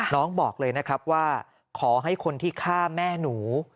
บอกเลยนะครับว่าขอให้คนที่ฆ่าแม่หนู